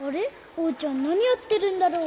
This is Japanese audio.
おうちゃんなにやってるんだろう？